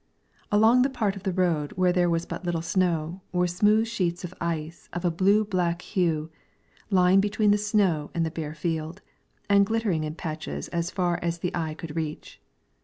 Along the part of the road where there was but little snow, were smooth sheets of ice of a blue black hue, lying between the snow and the bare field, and glittering in patches as far as the eye could reach.